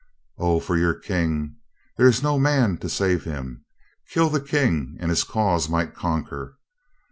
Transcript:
"O, for your King — ^there is no man to save him. Kill the King and his cause might conquer.